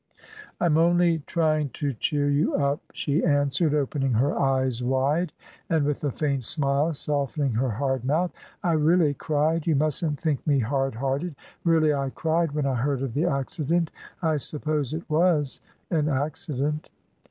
"I am only trying to cheer you up," she answered, opening her eyes wide, and with a faint smile softening her hard mouth. "I really cried you mustn't think me hard hearted; really, I cried when I heard of the accident. I suppose it was an accident?"